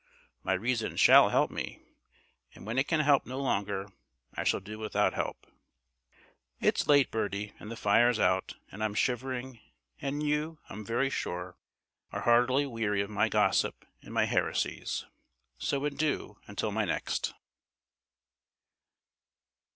My reason SHALL help me, and when it can help no longer I shall do without help. It's late, Bertie, and the fire's out, and I'm shivering; and you, I'm very sure, are heartily weary of my gossip and my heresies, so adieu until my next.